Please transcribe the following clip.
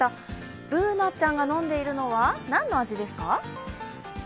Ｂｏｏｎａちゃんが飲んでいるのは何の味ですか？